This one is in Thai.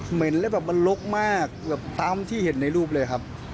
เห็นแล้วแบบมันลกมากแบบตามที่เห็นในรูปเลยครับ